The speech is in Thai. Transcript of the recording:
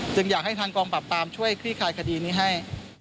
อยากให้ทางกองปรับปรามช่วยคลี่คลายคดีนี้ให้